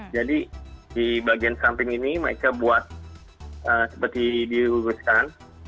jadi di bagian samping ini mereka buat seperti diuruskan